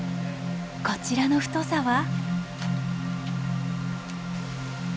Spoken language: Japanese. こちらの太さは？